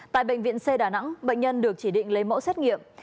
tại bệnh viện c đà nẵng bệnh nhân được chỉ định lấy mẫu xét nghiệm